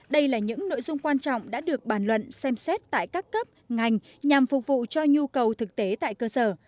đây là những nội dung quan trọng đã được bàn luận xem xét tại các cấp ngành nhằm phục vụ cho nhu cầu thực tế tại cơ sở